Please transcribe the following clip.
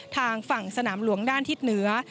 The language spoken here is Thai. ทางฝั่งสนามหลวงด้านทิศเหนือ